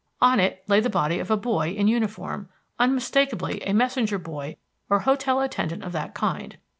On it lay the body of a boy in uniform, unmistakably a messenger boy or hotel attendant of that kind.